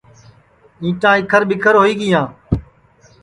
اِنٹا اِکھر ٻیکھر ہوئی گیاں